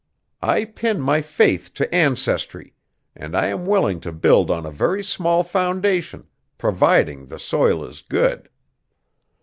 I pin my faith to ancestry, and I am willing to build on a very small foundation, providing the soil is good.